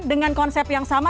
dengan konsep yang sama